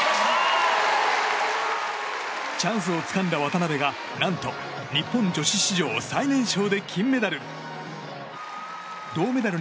チャンスをつかんだ渡部が何と日本女子史上最年少で金メダル。